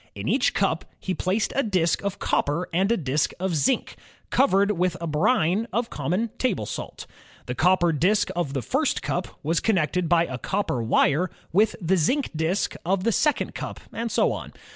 In each cup he placed a disk of copper and a disk of zinc, covered with a brine of common table salt. The copper disk of the first cup was connected by a copper wire with the zinc disk of the second cup, and so on.